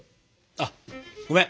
あごめん。